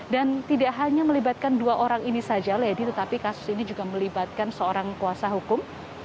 dan tidak hanya melibatkan dua orang ini saja lady tetapi kasus ini juga melibatkan seorang kuasa hukum